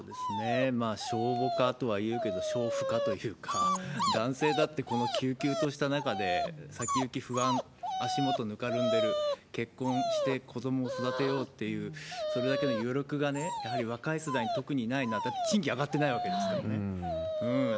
少母化とはいうけど、少父化というか、男性だってこのきゅうきゅうとした中で、先行き不安、足元ぬかるんでる、結婚して子どもを育てようっていう、それだけの余力がやはり若い世代に、特にない、だって賃金上がってないわけですからね。